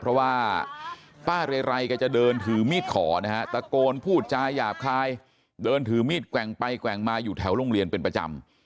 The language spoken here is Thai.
เพราะว่าป้าเรไรแกจะเดินถือมีดขอนะฮะตะโกนพูดจาหยาบคายเดินถือมีดแกว่งไปแกว่งมาอยู่แถวโรงเรียนเป็นประจำ